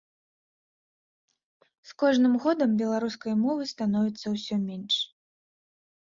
З кожным годам беларускай мовы становіцца ўсё менш.